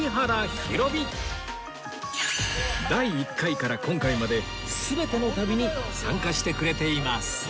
第１回から今回まで全ての旅に参加してくれています